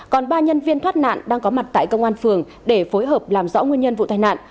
còn ba nhân viên thoát nạn đang có mặt tại công an phường để phối hợp làm rõ nguyên nhân vụ tai nạn